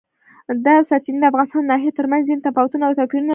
دا سرچینې د افغانستان د ناحیو ترمنځ ځینې تفاوتونه او توپیرونه راولي.